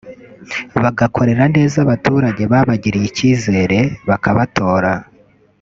bagakorera neza abaturage babagiriye icyizere bakabatora